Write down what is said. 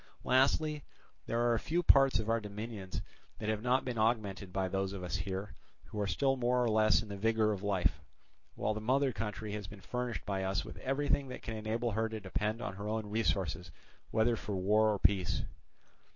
Lastly, there are few parts of our dominions that have not been augmented by those of us here, who are still more or less in the vigour of life; while the mother country has been furnished by us with everything that can enable her to depend on her own resources whether for war or for peace.